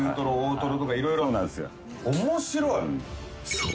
［そう。